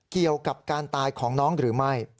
เกี่ยวกับการตายของน้องหรือไม่